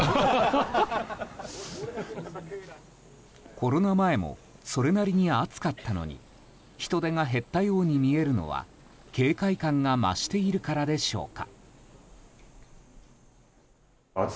コロナ前もそれなりに暑かったのに人出が減ったように見えるのは警戒感が増しているからでしょうか。